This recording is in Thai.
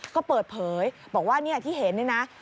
ก็เปิดเผยบอกว่าเนี่ยที่เห็นนี่นะ